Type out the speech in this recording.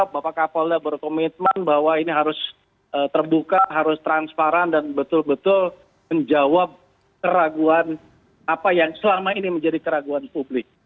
bapak kapolda berkomitmen bahwa ini harus terbuka harus transparan dan betul betul menjawab keraguan apa yang selama ini menjadi keraguan publik